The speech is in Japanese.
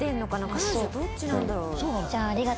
彼女どっちなんだろう。